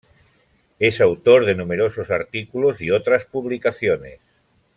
Es autor de numerosos artículos y otras publicaciones.